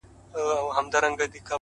د فاصلو په تول کي دومره پخه سوې يمه’